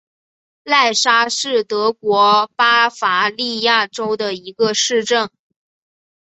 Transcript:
赖沙是德国巴伐利亚州的一个市镇。